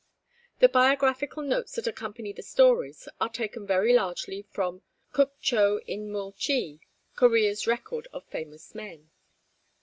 The biographical notes that accompany the stories are taken very largely from the Kuk cho In mul chi, "Korea's Record of Famous Men."